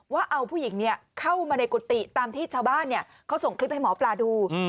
ว่าเอาผู้หญิงเข้ามาในกุฏิตามที่ชาวบ้านเขาส่งคลิปให้หมอปลาดู